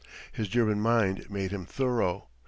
His German mind made him thorough.